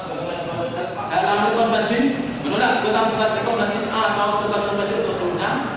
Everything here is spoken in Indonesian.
menolak ketanggung jawab rekonversi atau tugas rekonversi untuk semuanya